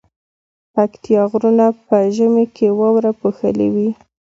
پکتيا غرونه په ژمی کی واورو پوښلي وی